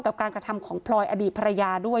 กับการกระทำของพลอยอดีตภรรยาด้วย